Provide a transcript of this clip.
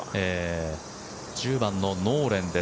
１０番のノーレンです。